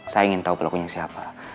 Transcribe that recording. saya ingin tahu pelakunya siapa